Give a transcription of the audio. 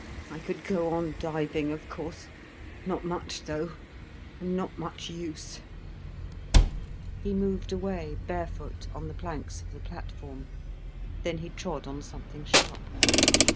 I could go on diving, of course—not much, though—and not much use—" He moved away barefoot, on the planks of the platform. Then he trod on something sharp.